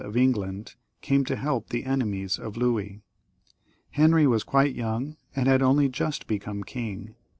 of England came to help the enemies of Louis. Henry was quite young, and had only just become king.